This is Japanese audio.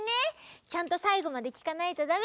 ちゃんとさいごまできかないとだめだよ。